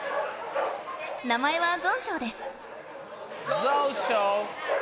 名前はゾンショウです。